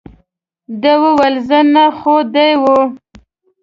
ده وویل، زه نه، خو دی وو.